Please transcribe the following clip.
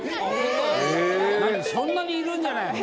そんなにいるんじゃない。